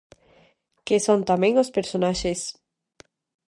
Que son tamén os personaxes.